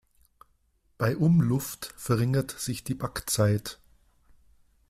Bei Umluft verringert sich die Backzeit.